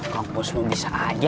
kang bos mau bisa aja